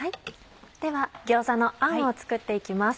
では餃子のあんを作って行きます。